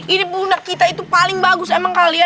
ini budak kita itu paling bagus emang kalian ya